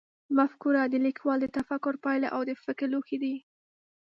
مفکوره د لیکوال د تفکر پایله او د فکر لوښی دی.